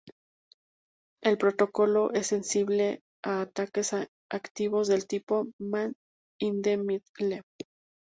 El protocolo es sensible a ataques activos del tipo "Man-in-the-middle".